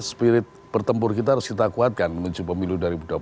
spirit bertempur kita harus kita kuatkan menuju pemilu dua ribu dua puluh